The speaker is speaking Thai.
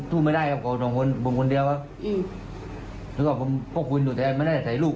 เหรอครับผมพกคุ้นอยู่ใสไม่ได้แต่ไขลูก